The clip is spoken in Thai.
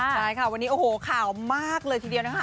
ใช่ค่ะวันนี้โอ้โหข่าวมากเลยทีเดียวนะคะ